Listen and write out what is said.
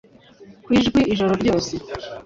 ku Ijwi ijoro ryose;